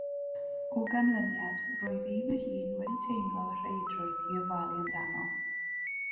O ganlyniad rwyf i fy hun wedi teimlo rheidrwydd i ofalu amdano.